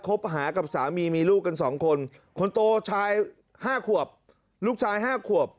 หากับสามีมีลูกกัน๒คนคนโตชาย๕ขวบลูกชาย๕ขวบ